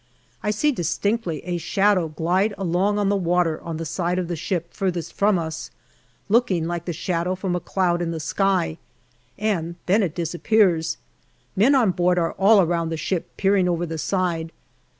I see distinctly a shadow glide along on the water on the side of the ship farthest from us, looking like the shadow from a cloud in the sky, and then it disappears. Men on board are all around the ship, peering over the side.